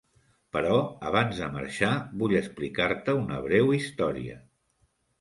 Però, abans de marxar, vull explicar-te una breu història.